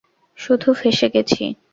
শুধু ফেঁসে গেছি।